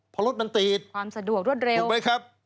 เพราะรถมันติดถูกไหมครับความสะดวกรถเร็ว